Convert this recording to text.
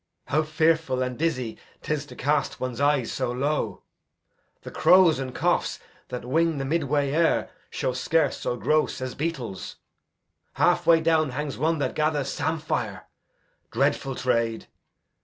How fearful And dizzy 'tis to cast one's eyes so low! The crows and choughs that wing the midway air Show scarce so gross as beetles. Halfway down Hangs one that gathers sampire dreadful trade!